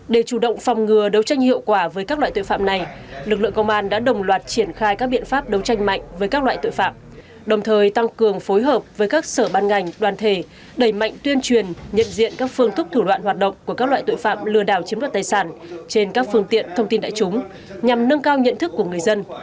để chủ động phòng ngừa đấu tranh hiệu quả với các loại tội phạm này lực lượng công an đã đồng loạt triển khai các biện pháp đấu tranh mạnh với các loại tội phạm đồng thời tăng cường phối hợp với các sở ban ngành đoàn thể đẩy mạnh tuyên truyền nhận diện các phương thức thủ đoạn hoạt động của các loại tội phạm lừa đảo chiếm đoạt tài sản trên các phương tiện thông tin đại chúng nhằm nâng cao nhận thức của người dân